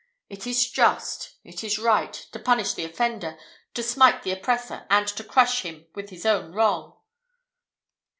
It is just, it is right, to punish the offender, to smite the oppressor, and to crush him with is own wrong."